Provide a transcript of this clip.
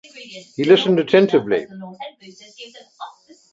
He listened attentively.